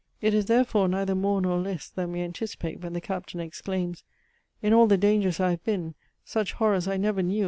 It is, therefore, neither more nor less than we anticipate when the Captain exclaims: "In all the dangers I have been, such horrors I never knew.